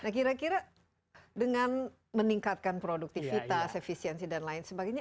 nah kira kira dengan meningkatkan produktivitas efisiensi dan lain sebagainya